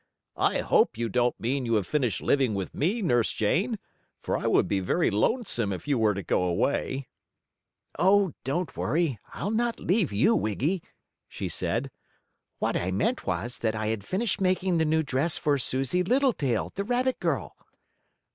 "I hope you don't mean you have finished living with me, Nurse Jane? For I would be very lonesome if you were to go away." "Oh, don't worry, I'll not leave you, Wiggy," she said. "What I meant was that I had finished making the new dress for Susie Littletail, the rabbit girl."